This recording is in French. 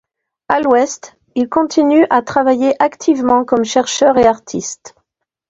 À l'Ouest, il continue à travailler activement comme chercheur et artiste.